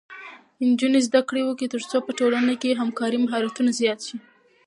نجونې زده کړه وکړي ترڅو په ټولنه کې د همکارۍ مهارتونه زیات شي.